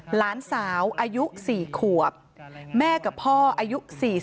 หลานสาวอายุ๔ขวบแม่กับพ่ออายุ๔๐